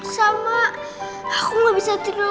sama aku gak bisa terus